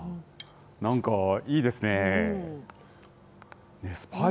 なんかいいですね。